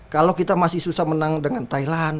kalau kita masih susah menang dengan thailand